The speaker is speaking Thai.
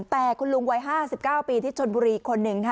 แต่คุณลุงวัย๕๙ปีที่ชนบุรีอีกคนนึงค่ะ